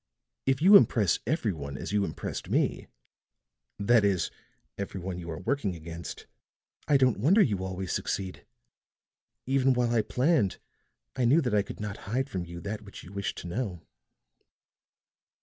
"If you impress every one as you impressed me that is, every one you are working against I don't wonder you always succeed. Even while I planned, I knew that I could not hide from you that which you wished to know."